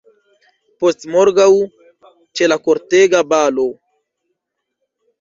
Postmorgaŭ, ĉe la kortega balo!